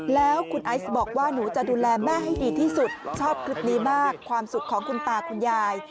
แล้วคุณไอซ์บอกว่าหนูจะดูแลแม่ให้ดีที่สุดชอบคลิปนี้มากความสุขของคุณตาคุณยาย